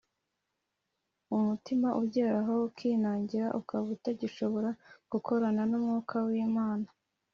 umutima ugeraho ukinangira ukaba utagishobora gukorana na mwuka w’imana